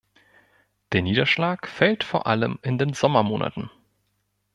Der Niederschlag fällt vor allem in den Sommermonaten.